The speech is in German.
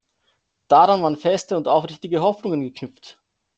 Daran waren feste und aufrichtige Hoffnungen geknüpft.